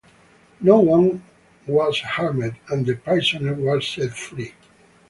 No one was harmed, and the prisoners were set free.